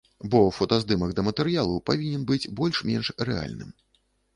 Бо фотаздымак да матэрыялу павінен быць больш-менш рэальным.